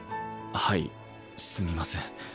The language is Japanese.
はいすみません